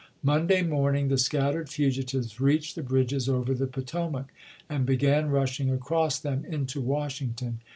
Mon day morning the scattered fugitives reached the bridges over the Potomac, and began rushing across them into Washington.